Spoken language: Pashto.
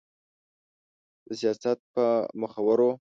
د سياست په مخورو